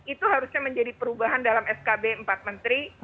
itu harusnya menjadi perubahan dalam skb empat menteri